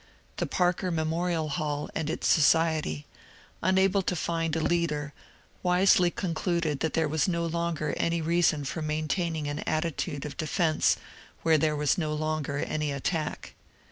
The Parker Memorial Hall and its society, unahle to find a leader, wisely concluded that there was no longer any reason for main taining an attitude of defence where there was no longer any attack.